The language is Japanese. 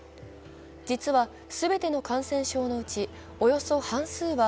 実は全ての感染症のうち、およそ半数は